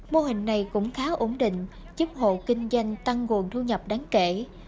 mô hình này cũng khá ổn định giúp hộ kinh doanh tăng nguồn thu nhập đáng kể